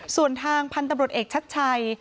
ส่วนทางพันธุ์ตำรวจเอกชัดชัย